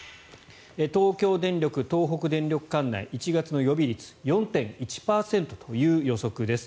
東京電力、東北電力管内１月の予備率４．１％という予測です。